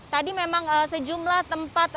tadi memang sejumlah tempat